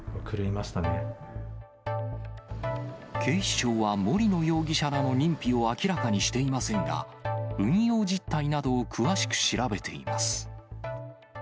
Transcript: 警視庁は森野容疑者らの認否を明らかにしていませんが、運用実態などを詳しく調べています。